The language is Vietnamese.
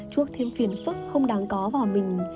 chuốc thêm phiền phức không đáng có vào mình